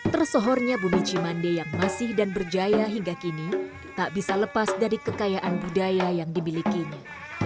tersohornya bumi cimande yang masih dan berjaya hingga kini tak bisa lepas dari kekayaan budaya yang dimilikinya